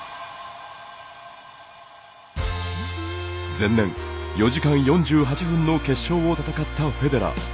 前年、４時間４８分の決勝を戦ったフェデラー。